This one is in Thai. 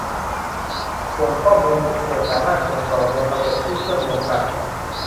ส่วนข้อมูลผู้ป่วยสามารถส่งต่อบนระบบที่เชื่อมโยงกัน